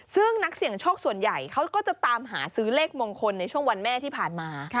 ซึ่งนักเสี่ยงโชคส่วนใหญ่เขาก็จะตามหาซื้อเลขมงคลในช่วงวันแม่ที่ผ่านมา